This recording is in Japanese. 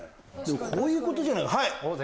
こういうことじゃないかな？